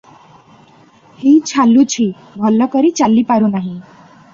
ହୋଇ ଛାଲୁଛି, ଭଲ କରି ଚାଲି ପାରୁନାହିଁ ।